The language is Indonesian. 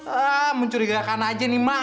ah mencurigakan aja nih mak